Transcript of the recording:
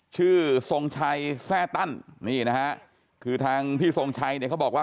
ชื่อทรงชัยแทร่ตั้นนี่นะฮะคือทางพี่ทรงชัยเนี่ยเขาบอกว่า